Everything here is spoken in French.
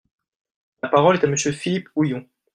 La parole est à Monsieur Philippe Houillon.